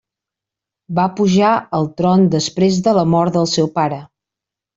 Va pujar al tron després de la mort del seu pare.